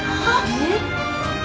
えっ？